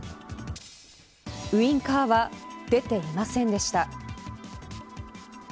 ウインカーは出ていませんでした。